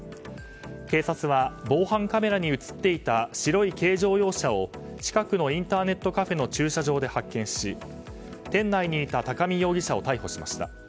警察は防犯カメラに映っていた白い軽乗用車を近くのインターネットカフェの駐車場で発見し店内にいた高見容疑者を逮捕しました。